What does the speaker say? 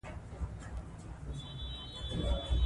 تعليم شوې نجونې د ګډ کار ارزښت ښيي.